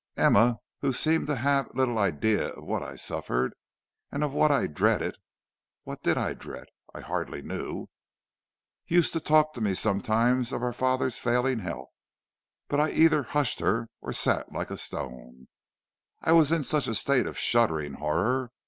"Emma, who seemed to have little idea of what I suffered and of what I dreaded (what did I dread? I hardly knew) used to talk to me sometimes of our father's failing health; but I either hushed her or sat like a stone, I was in such a state of shuddering horror.